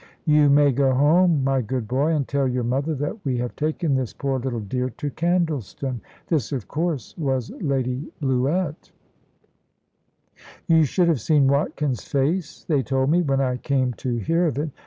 "You may go home, my good boy, and tell your mother that we have taken this poor little dear to Candleston." This, of course, was Lady Bluett. You should have seen Watkin's face, they told me, when I came to hear of it.